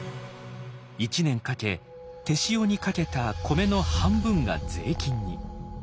一年かけ手塩にかけた米の半分が税金に。